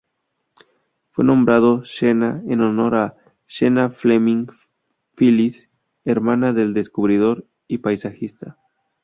Fue nombrado Sheena en honor a "Sheena Fleming Phillips" hermana del descubridor y paisajista.